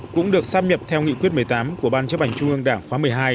cũng được sắp nhập theo nghị quyết một mươi tám của ban chấp hành trung ương đảng khóa một mươi hai